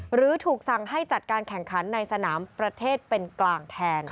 หรือถูกสั่งให้จัดการแข่งขันในสนามประเทศเป็นกลางแทน